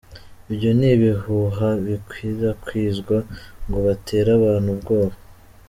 Ibyo ni ibihuha bikwirakwizwa ngo batere abantu ubwoba".